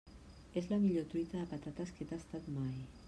És la millor truita de patates que he tastat mai.